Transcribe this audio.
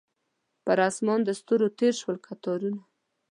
پر اسمان د ستورو تیر شول کتارونه